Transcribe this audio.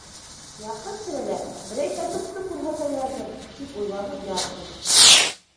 Яҡын-тирәлә берәй кәтүкте күрһәтәләрҙер, тип уйланы Яков.